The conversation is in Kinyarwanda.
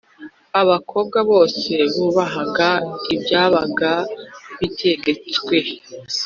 Abakobwa bose bubahaga ibyabaga bitegetswe.